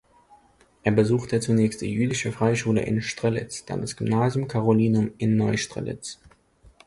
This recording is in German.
Er besuchte zunächst die jüdische Freischule in Strelitz, dann das Gymnasium Carolinum in Neustrelitz.